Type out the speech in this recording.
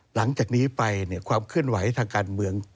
หลังจากนี้ไปความเคลื่อนไหวทางการเมือง